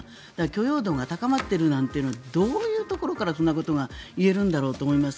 許容度が高まっているなんてどういうところからそんなことが言えるんだろうと思います。